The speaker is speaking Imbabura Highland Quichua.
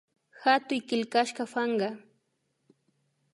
Hatuy killkashka panka